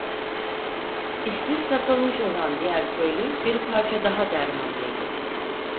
İsmi Satılmış olan diğer köylü bir parça daha dermanlıydı.